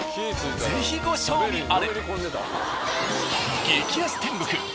ぜひご賞味あれ。